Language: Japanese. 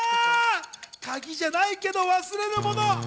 鍵じゃないけど忘れるもの。